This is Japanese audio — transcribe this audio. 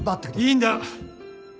いいんだ。